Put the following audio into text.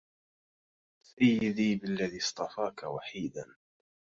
سيدي بالذي اصطفاك وحيدا